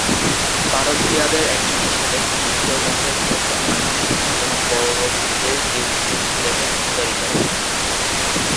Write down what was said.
বারো ভূঁইয়াদের একজন হিসেবে তিনি উত্তর বঙ্গের বৃহত্তর ময়মনসিংহ এবং পরবর্তীতে দক্ষিণ সিলেটে জমিদারি করেন।